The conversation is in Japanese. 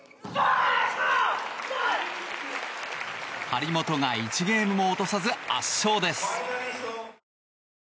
張本が１ゲームも落とさず圧勝です。